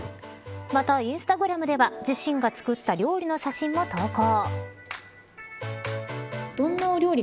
またインスタグラムでは自身が作った料理の写真も投稿。